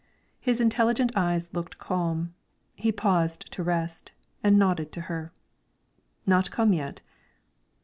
His intelligent eyes looked calm. He paused to rest, and nodded to her: "Not come yet?"